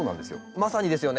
まさにですよね